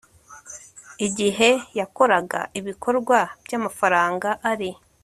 igihe yakoraga ibikorwa by amafaranga ari